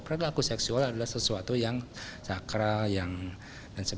perilaku seksual adalah sesuatu yang sakral yang